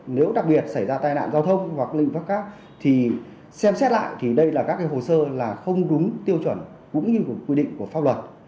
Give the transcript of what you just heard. nếu đặc biệt xảy ra tai nạn giao thông hoặc linh pháp khác thì xem xét lại thì đây là các hồ sơ không đúng tiêu chuẩn cũng như quy định của pháp luật